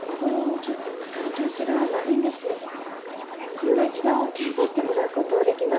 今度一度検査してもらうことできますか？